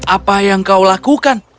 apa yang kau lakukan